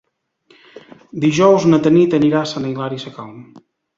Dijous na Tanit anirà a Sant Hilari Sacalm.